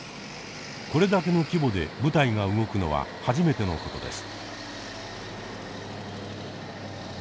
これだけの規模で部隊が動くのは初めてのことです。